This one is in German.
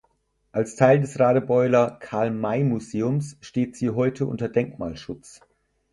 Als Teil des Radebeuler Karl-May-Museums steht sie heute unter Denkmalschutz.